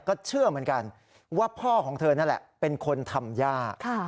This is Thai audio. ก็เชื่อเหมือนกันว่าพ่อของเธอนั่นแหละเป็นคนทำย่า